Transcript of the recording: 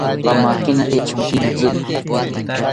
Pamakina echonkini tziwi